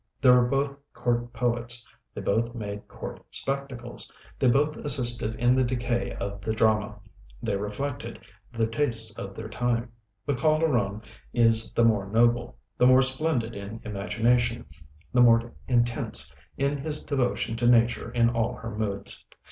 They were both court poets; they both made court spectacles; they both assisted in the decay of the drama; they reflected the tastes of their time; but Calderon is the more noble, the more splendid in imagination, the more intense in his devotion to nature in all her moods.